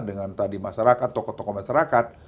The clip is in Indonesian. dengan tadi masyarakat tokoh tokoh masyarakat